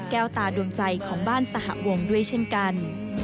ตาดวงใจของบ้านสหวงด้วยเช่นกัน